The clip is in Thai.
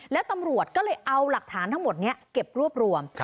แล้วตำรวจก็เลยเอาหลักฐานทั้งหมดนี้เก็บรวบรวม